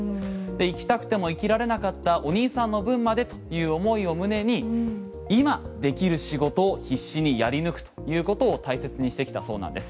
生きたくても生きられなかったお兄さんの分までという思いを胸に、今できる仕事を必死にやり抜くということを大切にしてきたそうなんです。